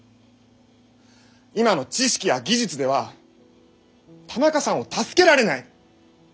今の知識や技術では田中さんを助けられない。